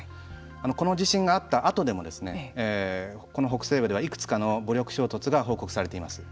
この地震があったあとでもこの北西部ではいくつかの武力衝突が報告されています。